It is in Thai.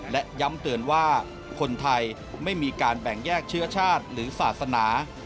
และย้ำเตือนว่าคนไทยไม่มีการแบ่งแยกเชื้อชาติหรือศาสนา